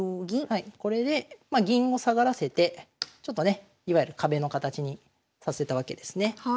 はいこれで銀を下がらせてちょっとねいわゆる壁の形にさせたわけですね。